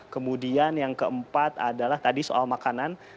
kemudian yang keempat adalah tadi soal makanan